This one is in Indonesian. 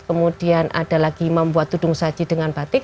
kemudian ada lagi membuat tudung saji dengan batik